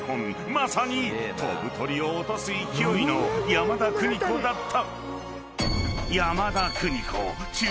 ［まさに飛ぶ鳥を落とす勢いの山田邦子だった］